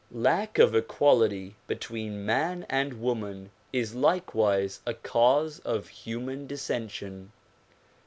Lack of equality between man and woman is likewise a cause of human dissension.